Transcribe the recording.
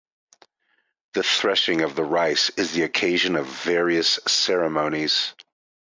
The threshing of the rice is the occasion of various ceremonies.